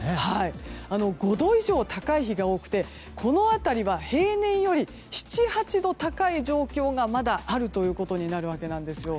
５度以上高い日が多くてこの辺りは平年より７８度高い状況がまだあるということになるわけなんですよ。